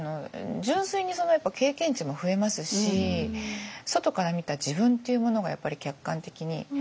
純粋に経験値も増えますし外から見た自分っていうものがやっぱり客観的に。